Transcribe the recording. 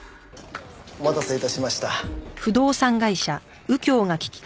お待たせ致しました。